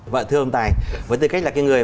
vâng thưa ông tài với tư cách là cái người